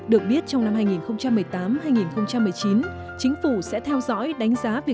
được biết trong năm hai nghìn một mươi tám hai nghìn một mươi chín